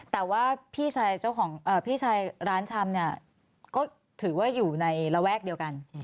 แต่ว่าพี่ชายร้านชำเนี่ยก็ถือว่าอยู่ในระแวกเดียวกัน